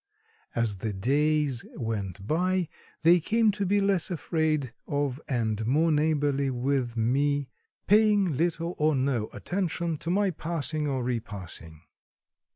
As the days went by they came to be less afraid of and more neighborly with me, paying little or no attention to my passing or repassing.